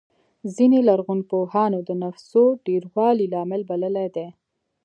ځینو لرغونپوهانو د نفوسو ډېروالی لامل بللی دی.